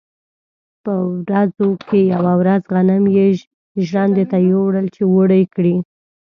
په ورځو کې یوه ورځ غنم یې ژرندې ته یووړل چې اوړه کړي.